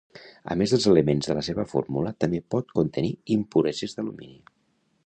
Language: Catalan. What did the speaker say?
A més dels elements de la seva fórmula també pot contenir impureses d'alumini.